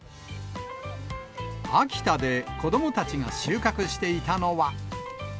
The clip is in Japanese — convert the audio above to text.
秋田で子どもたちが収穫していたのは。